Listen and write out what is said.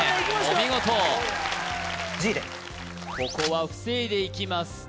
お見事ここは防いでいきます